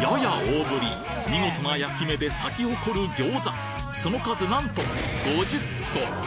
やや大振り見事な焼き目で咲き誇る餃子その数なんと５０個！